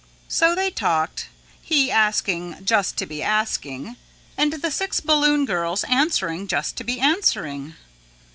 So they talked, he asking just to be asking and the six balloon girls answering just to be answering.